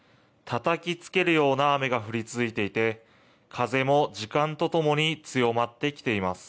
たたきつけるような雨が降り続いていて、風も時間とともに強まってきています。